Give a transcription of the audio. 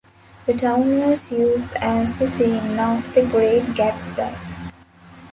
The town was used as the scene of "The Great Gatsby".